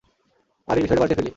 আর ওই বিষয়টা পাল্টে ফেলি।